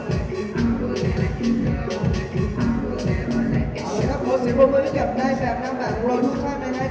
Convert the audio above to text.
ถ้าโปรดเสียงบนมือได้แบบนั้นแหละ